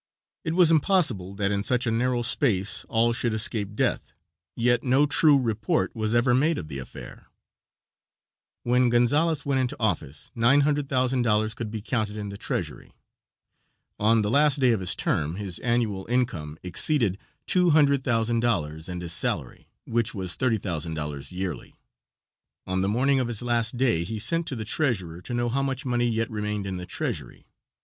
It was impossible that in such a narrow space all should escape death, yet no true report was ever made of the affair. When Gonzales went into office $900,000 could be counted in the treasury. On the last day of his term his annual income exceeded $200,000 and his salary, which was $30,000 yearly. On the morning of his last day he sent to the treasurer to know how much money yet remained in the treasury.